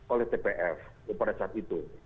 oleh tpf pada saat itu